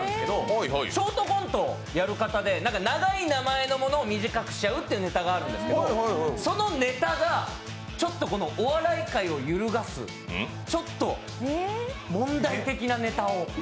ショートコントをやる方で、長い名前のものを短くしちゃうというネタがあるんですけど、そのネタが、お笑い界を揺るがすちょっと問題的なネタを。